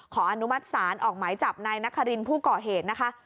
อนุมัติศาลออกหมายจับนายนครินผู้ก่อเหตุนะคะ